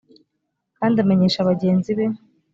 kandi amenyesha bagenzi be